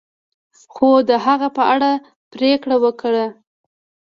خو د هغه په اړه پریکړه وکړه.